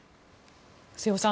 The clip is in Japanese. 瀬尾さん